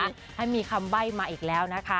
ให้มีคำใบ้มาอีกแล้วนะคะ